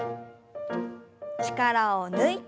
力を抜いて。